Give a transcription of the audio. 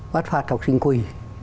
bắt phạt học sinh quỳ